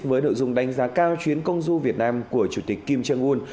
với nội dung đánh giá cao chuyến công du việt nam của chủ tịch kim jong un